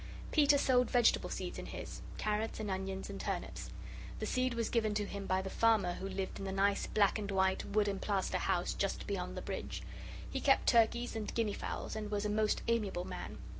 Peter sowed vegetable seeds in his carrots and onions and turnips. The seed was given to him by the farmer who lived in the nice black and white, wood and plaster house just beyond the bridge. He kept turkeys and guinea fowls, and was a most amiable man.